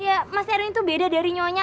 ya mas erwin tuh beda dari nyonya